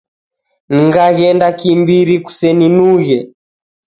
Ngaghenda kimbiri, kuseninughe.